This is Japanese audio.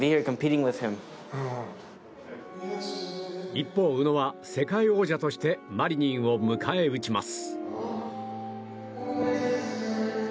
一方、宇野は世界王者としてマリニンを迎え撃ちます。